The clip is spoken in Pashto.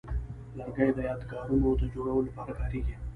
لرګی د یادګارونو د جوړولو لپاره کاریږي.